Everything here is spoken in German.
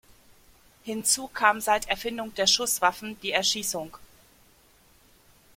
Hinzu kam seit Erfindung der Schusswaffen die Erschießung.